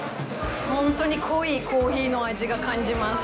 本当に濃いコーヒーの味が感じます。